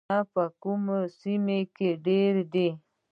پښتانه په کومو سیمو کې ډیر دي؟